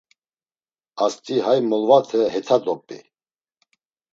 Ast̆i hay molvate heta dop̌i.